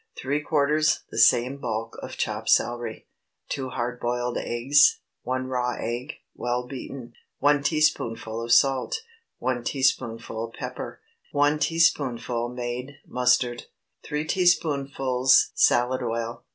Three quarters the same bulk of chopped celery. 2 hard boiled eggs. 1 raw egg, well beaten. 1 teaspoonful of salt. 1 teaspoonful pepper. 1 teaspoonful made mustard. 3 teaspoonfuls salad oil.